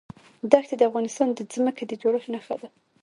دښتې د افغانستان د ځمکې د جوړښت نښه ده.